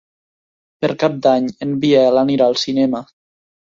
Per Cap d'Any en Biel anirà al cinema.